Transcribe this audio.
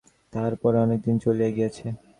তাহার পরে অনেকদিন চলিয়া গিয়াছে।